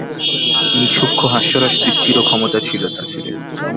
তিনি সূক্ষ্ম হাস্যরস সৃষ্টিরও ক্ষমতা ছিল তাঁর।